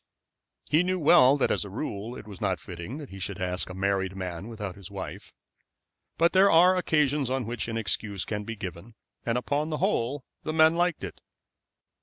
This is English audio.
He knew well that as a rule it was not fitting that he should ask a married man without his wife; but there are occasions on which an excuse can be given, and upon the whole the men liked it.